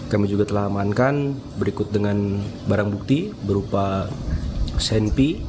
kami juga telah amankan berikut dengan barang bukti berupa senpi